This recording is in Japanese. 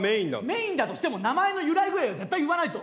メインだとしても名前の由来ぐらいは絶対言わないと。